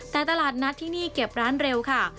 แต่ตลาดนัดที่นี่เก็บร้านเร็วค่ะ